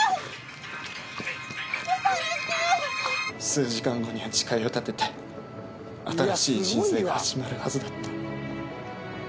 「数時間後には誓いを立てて新しい人生が始まるはずだった」